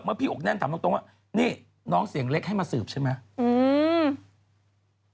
พี่อกแน่นถามตรงว่านี่น้องเสียงเล็กให้มาสืบใช่ไหม